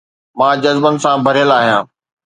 مان جذبن سان ڀريل آهيان